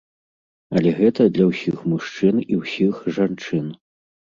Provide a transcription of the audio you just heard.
Але гэта для ўсіх мужчын і ўсіх жанчын.